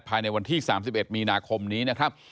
ภายในวันที่๓๑มีนาคมนี้นะครับ